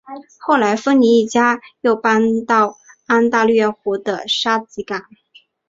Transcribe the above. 后来芬尼一家又搬到安大略湖的沙吉港。